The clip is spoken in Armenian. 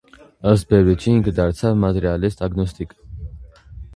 Ըստ Բևվրիջի ինքը դարձավ «մատերիալիստ ագնոստիկ»։